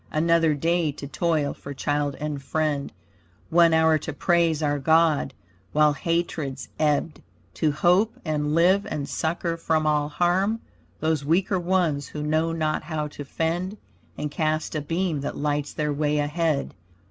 Another day to toil for child and friend, One hour to praise our God, while hatreds ebbed; To hope and live and succor from all harm Those weaker ones who know not how to fend, And cast a beam that lights their way ahead.